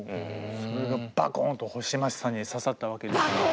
それがバコーンと星街さんに刺さったわけですね。